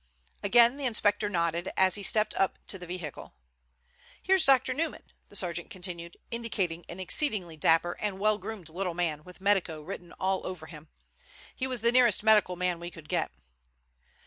Again the Inspector nodded, as he stepped up to the vehicle. "Here's Dr. Newman," the sergeant continued, indicating an exceedingly dapper and well groomed little man with medico written all over him. "He was the nearest medical man we could get."